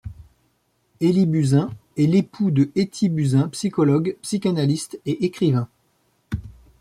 Élie Buzyn est l'époux de Etty Buzyn, psychologue, psychanalyste et écrivain.